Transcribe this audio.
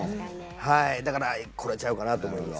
はいだからこれちゃうかなと思います